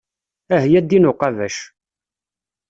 Ahya a ddin uqabac.